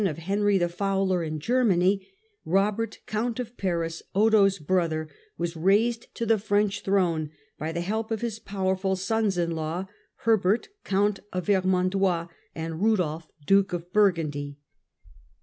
of Henry the Fowler in Germany, Kobert Count of Paris, ^^^gl Odo's brother, was raised to the French throne by the 922 923 help of his powerful sons in law, Herbert Count of Ver mandois and Eudolf Duke of Burgundy.